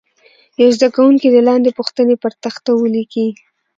یو زده کوونکی دې لاندې پوښتنې پر تخته ولیکي.